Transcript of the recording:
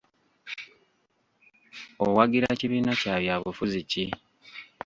Owagira kibiina kya byabufuzi ki?